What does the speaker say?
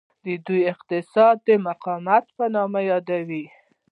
دوی اقتصاد د مقاومت په نوم یادوي.